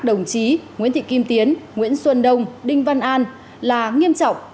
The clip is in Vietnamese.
đồng chí nguyễn thị kim tiến nguyễn xuân đông đinh văn an là nghiêm trọng